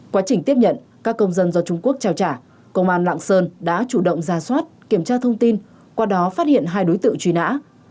quá trình tiếp nhận các công dân do trung quốc trao trả công an lạng sơn đã chủ động ra soát kiểm tra thông tin qua đó phát hiện hai đối tượng truy nã